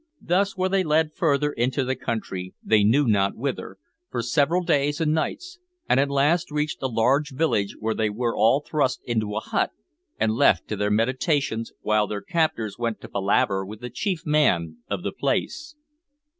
Thus were they led further into the country, they knew not whither, for several days and nights, and at last reached a large village where they were all thrust into a hut, and left to their meditations, while their captors went to palaver with the chief man of the place.